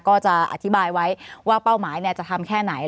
ก็จะอธิบายไว้ว่าเป้าหมายจะทำแค่ไหน